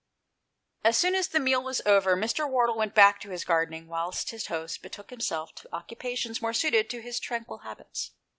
As soon as the meal was over, Mr. Wardle went back to his gardening, whilst his host betook himself to occupations more suited to his tranquil habits.